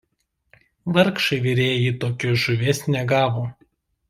Vargšai virėjai tokios žuvies negavo.